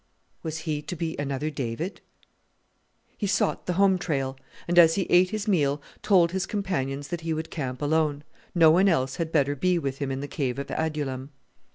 Was he to be another David? He sought the home trail; and as he ate his meal told his companions that he would camp alone; no one else had better be with him in the Cave of Adullam.